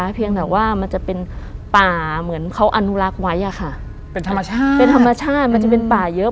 เพียงแต่ว่ามันจะเป็นป่าเหมือนเขาอนุรักษ์ไว้อะค่ะเป็นธรรมชาติเป็นธรรมชาติมันจะเป็นป่าเยอะ